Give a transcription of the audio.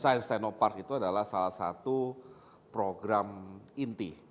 science tenopark itu adalah salah satu program inti